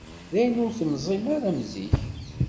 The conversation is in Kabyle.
Dayen, ur temẓim ara am zik.